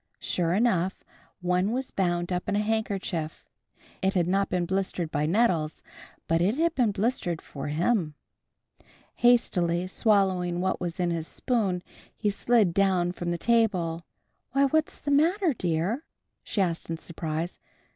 Sure enough, one was bound up in a handkerchief. It had not been blistered by nettles, but it had been blistered for him. Hastily swallowing what was in his spoon, he slid down from the table. "Why, what's the matter, dear?" she asked in surprise.